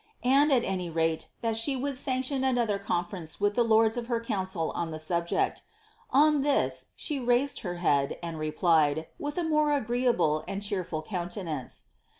and, at any rate, that she would sunciion another conference with the lords of her council on the subject On this, she raised her head, ami replied, wiih a more agreeable and cheerful countenance.